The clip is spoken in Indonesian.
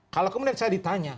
kalau kemudian saya ditanya